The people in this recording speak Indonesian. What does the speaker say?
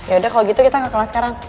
yaudah kalau gitu kita gak kelas sekarang